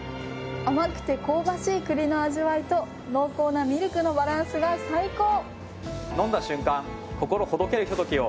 甘くて香ばしい栗の味わいと濃厚なミルクのバランスが最高！